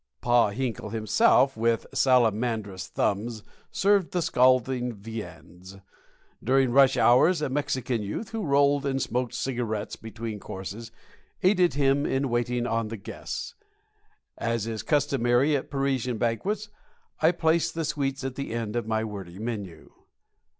Pa Hinkle himself, with salamandrous thumbs, served the scalding viands. During rush hours a Mexican youth, who rolled and smoked cigarettes between courses, aided him in waiting on the guests. As is customary at Parisian banquets, I place the sweets at the end of my wordy menu.